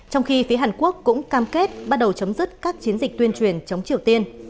trong khi phía hàn quốc cũng cam kết bắt đầu chấm dứt các chiến dịch tuyên truyền chống triều tiên